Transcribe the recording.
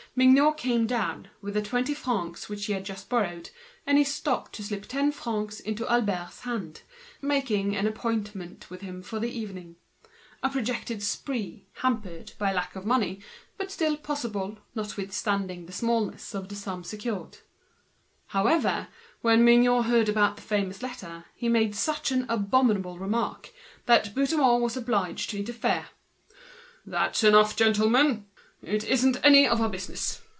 At that moment Mignot came down, with the twenty francs he had just borrowed, and he stopped to slip ten francs into Albert's hand, making an appointment with him for the evening; a projected lark, restrained for want of money, but still possible, notwithstanding the smallness of the sum. But handsome Mignot, when he heard about the famous letter, made such an abominable remark, that Bouthemont was obliged to interfere. "That's enough, gentlemen. It isn't our business.